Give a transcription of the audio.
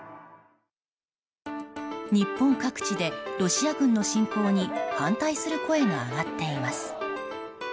日本各地でロシア軍の侵攻に反対する声が上がっています。